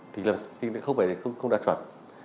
thì không đạt chuẩn